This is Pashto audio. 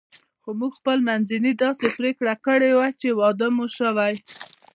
خو موږ خپل منځي داسې پرېکړه کړې وه چې واده مو شوی.